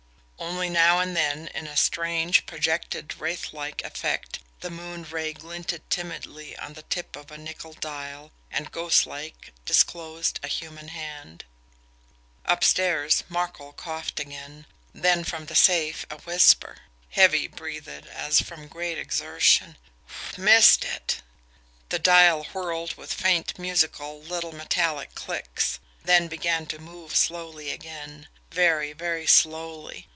Only now and then, in a strange, projected, wraithlike effect, the moon ray glinted timidly on the tip of a nickel dial, and, ghostlike, disclosed a human hand. Upstairs, Markel coughed again. Then from the safe a whisper, heavy breathed as from great exertion: "MISSED IT!" The dial whirled with faint, musical, little metallic clicks; then began to move slowly again, very, very slowly.